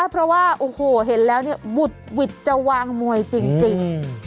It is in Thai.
เพราะว่าเห็นแล้วบุตรวิทย์จะวางหมวยจริง